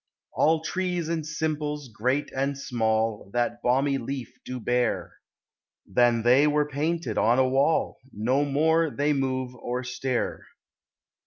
All trees and simples, great ami small, That balmy leaf do bear, Than they were painted 0D a wall, No more (hey move or strir. 10G POEMS OF NATURE.